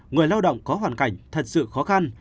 người lao động có hoàn cảnh thật sự khó khăn